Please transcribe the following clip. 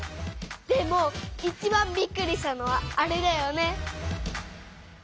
でもいちばんびっくりしたのはあれだよね。